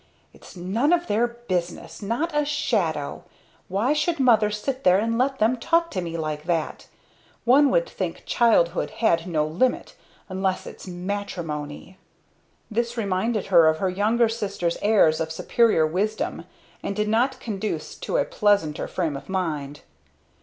"Its none of their business! Not a shadow! Why should Mother sit there and let them talk to me like that! One would think childhood had no limit unless it's matrimony!" This reminded her of her younger sister's airs of superior wisdom, and did not conduce to a pleasanter frame of mind.